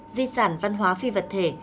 di sản văn hóa phi vật thể